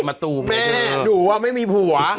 แม่หนูว่าไม่มีผัว